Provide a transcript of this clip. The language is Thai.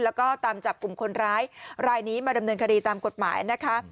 แล้วก็ตามจับกลุ่มคนร้ายรายนี้มาดำเนินคดีตามกฎหมายนะคะ